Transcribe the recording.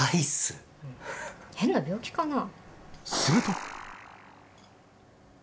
変な病気かな？